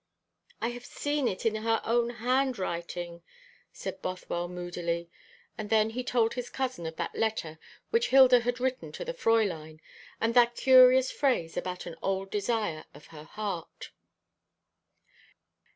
"I have seen it in her own handwriting," said Bothwell moodily; and then he told his cousin of that letter which Hilda had written to the Fräulein, and that curious phrase about an old desire of her heart.